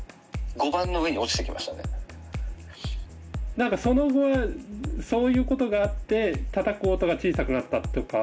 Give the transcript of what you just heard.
何かその後そういうことがあってたたく音が小さくなったとかはどうでしょう？